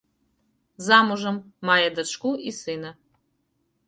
Замужам, мае дачку і сына.